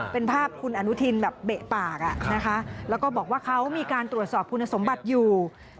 เป็นภาพคุณอนุทินแบบเบะปากนะคะแล้วก็บอกว่าเขามีการตรวจสอบคุณสมบัติอยู่